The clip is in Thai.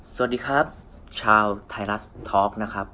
สวัสดีครับชาวไทยรัฐทอล์กนะครับ